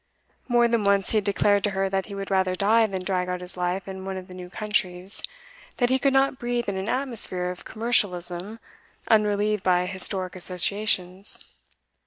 More than once he had declared to her that he would rather die than drag out his life in one of the new countries, that he could not breathe in an atmosphere of commercialism unrelieved by historic associations.